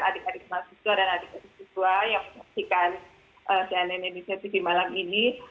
adik adik mahasiswa dan adik adik siswa yang menyaksikan cnn indonesia tv malam ini